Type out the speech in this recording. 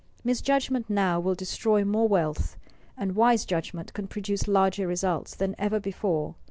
Misjudgment now will destroy more wealth, and wise judgment can produce larger results, than ever before.